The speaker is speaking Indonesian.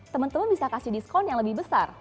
temen temen bisa kasih diskon yang lebih besar